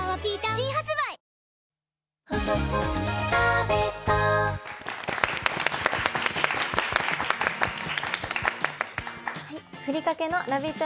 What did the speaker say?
新発売ふりかけのラヴィット！